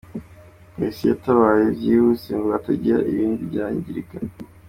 Polisi yatabaye byihuse ngo hatagira ibindi byangirika.